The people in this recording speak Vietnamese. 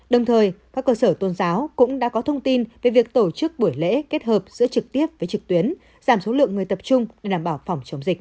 đồng thời các cơ sở tôn giáo cũng đã có thông tin về việc tổ chức buổi lễ kết hợp giữa trực tiếp với trực tuyến giảm số lượng người tập trung để đảm bảo phòng chống dịch